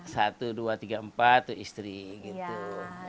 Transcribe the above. satu dua tiga empat itu istri gitu